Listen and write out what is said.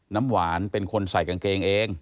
น้ำหวานเป็นคนใส่กางเกงเอง